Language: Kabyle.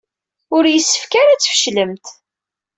Ur yessefk ara ad tfeclemt.